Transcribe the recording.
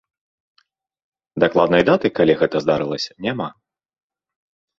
Дакладнай даты, калі гэта здарылася, няма.